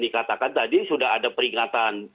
dikatakan tadi sudah ada peringatan